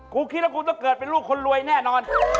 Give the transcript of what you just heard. คิดว่ากูต้องเกิดเป็นลูกคนรวยแน่นอน